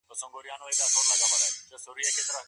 عبد الله بن عباس د چا په اړه روايت کوي؟